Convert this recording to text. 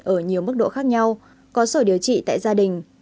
ở nhiều mức độ khác nhau có sở điều trị tại gia đình